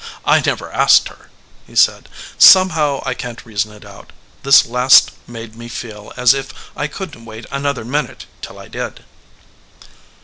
"I never asked her," he said. "Somehow, I can t reason it out, this last made me feel as if I couldn t wait another minute till I did."